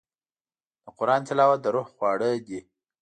د قرآن تلاوت د روح خواړه دي.